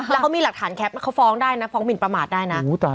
แล้วเขามีหลักฐานแคปเขาฟ้องได้นะฟ้องหมินประมาทได้นะ